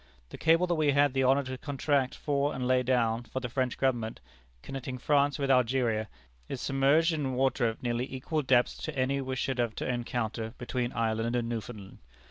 The cable that we had the honor to contract for and lay down for the French Government, connecting France with Algeria, is submerged in water of nearly equal depths to any we should have to encounter between Ireland and Newfoundland.